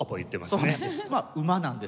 そうなんです。